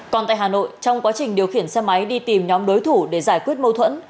còn tại hà nội trong quá trình điều khiển xe máy đi tìm nhóm đối thủ để giải quyết mâu thuẫn